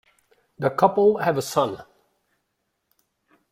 The couple have a son.